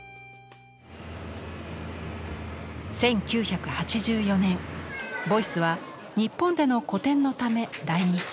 １９８４年ボイスは日本での個展のため来日。